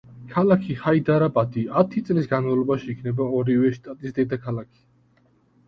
ქალაქი ჰაიდარაბადი ათი წლის განმავლობაში იქნება ორივე შტატის დედაქალაქი.